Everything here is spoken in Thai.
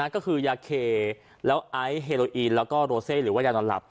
ก็คือยาเคแล้วไอซ์เฮโรอีนแล้วก็โรเซหรือว่ายานอนหลับ